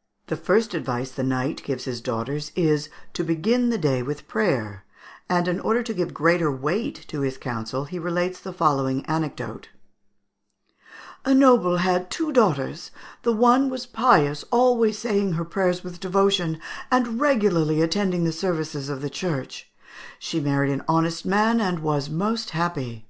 ] The first advice the knight gives his daughters is, to begin the day with prayer; and, in order to give greater weight to his counsel, he relates the following anecdote: "A noble had two daughters; the one was pious, always saying her prayers with devotion, and regularly attending the services of the church; she married an honest man, and was most happy.